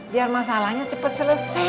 biar masalahnya cepet selesai